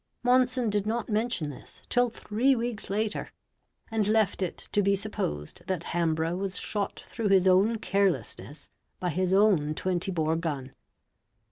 Monson did not mention this till three weeks later, and left it to be supposed that Hambrough was shot through his own carelessness by his own 20 bore gun.